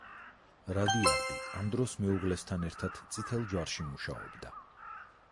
რადიარდი ამ დროს მეუღლესთან ერთად წითელ ჯვარში მუშაობდა.